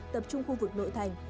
tập trung khu vực nội thành